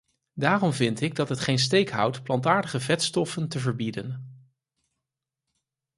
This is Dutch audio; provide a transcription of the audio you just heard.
Daarom vind ik dat het geen steek houdt plantaardige vetstoffen te verbieden.